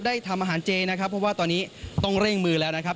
ทำอาหารเจนะครับเพราะว่าตอนนี้ต้องเร่งมือแล้วนะครับ